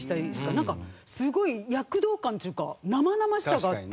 なんかすごい躍動感というか生々しさがあって。